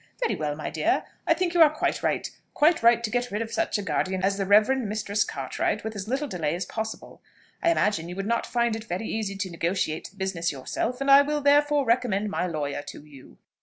"Very well, my dear I think you are quite right quite right to get rid of such a guardian as the Reverend Mistress Cartwright with as little delay as possible. I imagine you would not find it very easy to negotiate the business yourself, and I will therefore recommend my lawyer to you.